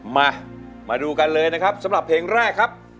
มามาดูกันเลยนะครับสำหรับเพลงแรกครับ